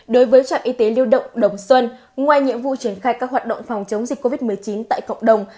đối với trạm y tế lưu động đồng xuân ngoài nhiệm vụ triển khai các hoạt động phòng chống dịch covid một mươi chín tại cộng đồng